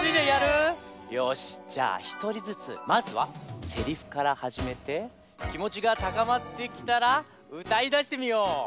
よしじゃあひとりずつまずはせりふからはじめてきもちがたかまってきたらうたいだしてみよう！